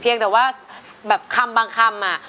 ยังแต่ว่าแบบคำบางคำอะ